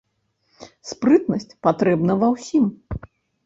Спрытнасць патрэбна ва ўсім.